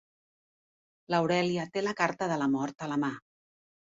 L'Aurèlia té la carta de la Mort a la mà.